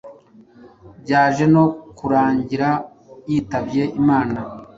byaje no kurangira yitabye Imana